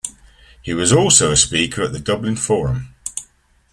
He was also a speaker at the Dublin Forum.